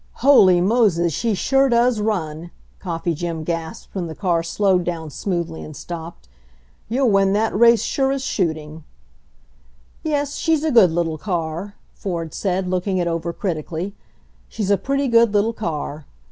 "Holy Moses, she sure does run !" Coffee Jim gasped, when the car slowed down smoothly and stopped. "You'll win that race sure as shoot ing." "Yes, she's a good little car," Ford said, look ing it over critically. "She's a pretty good little car."